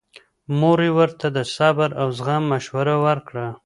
مور یې ورته د صبر او زغم مشوره ورکړه.